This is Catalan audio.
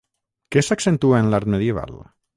Què s'accentua en l'art medieval?